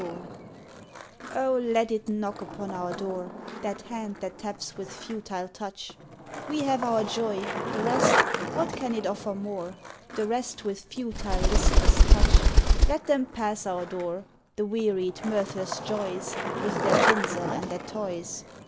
VII Oh, let it knock upon our door, That hand that taps with futile touch; We have our joy, the rest what can it offer more? The rest with futile, listless touch? Let them pass our door, The wearied, mirthless joys With their tinsel and their toys.